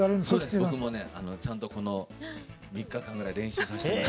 僕も、ちゃんと３日間ぐらい練習して。